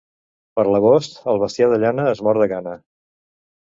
Per l'agost el bestiar de llana es mor de gana.